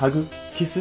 キス？